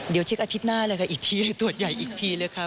เดี๋ยวดูอาทิตย์หน้าอีกทีเลยตรวจใหญ่อีกทีเลยค่ะ